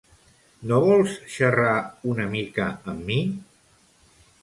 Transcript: No vols xerrar una mica amb mi?